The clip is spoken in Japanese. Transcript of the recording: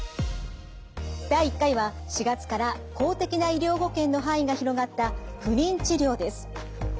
第１回は４月から公的な医療保険の範囲が広がった不妊治療です。